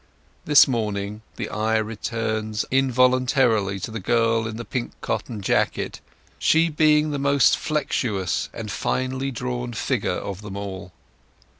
This morning the eye returns involuntarily to the girl in the pink cotton jacket, she being the most flexuous and finely drawn figure of them all.